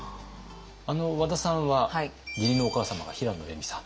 和田さんは義理のお母様が平野レミさん。